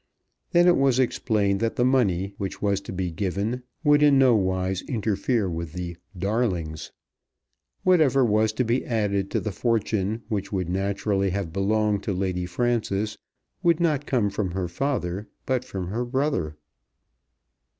Then it was explained that the money, which was to be given, would in no wise interfere with the "darlings." Whatever was to be added to the fortune which would naturally have belonged to Lady Frances, would come not from her father but from her brother.